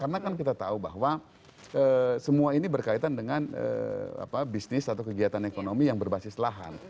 karena kan kita tahu bahwa semua ini berkaitan dengan bisnis atau kegiatan ekonomi yang berbasis lahan